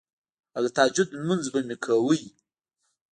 او د تهجد مونځ به مې کوو